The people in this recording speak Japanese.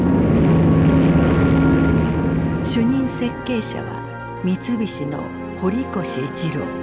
主任設計者は三菱の堀越二郎。